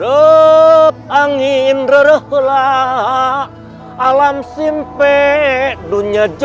lut angin ruruh alam dunia